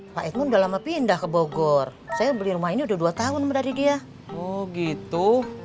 pak edmond dalam lebih indah ke bogor saya beli rumah ini udah dua tahun berarti dia begitu